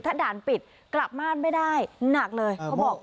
ถ้าด่านปิดกลับบ้านไม่ได้หนักเลยเขาบอก